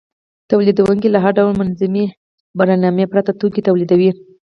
تولیدونکي له هر ډول منظمې برنامې پرته توکي تولیدوي